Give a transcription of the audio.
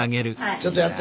ちょっとやって。